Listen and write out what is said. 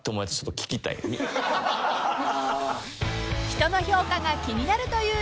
［人の評価が気になるというナダルさん］